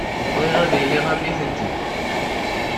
Bɣiɣ ad iliɣ am nitenti.